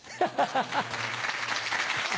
ハハハ！